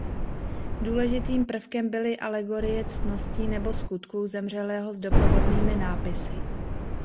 Důležitým prvkem byly alegorie ctností nebo skutků zemřelého s doprovodnými nápisy.